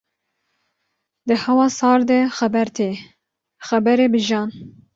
Di hawa sar de xeber tê, xeberê bi jan.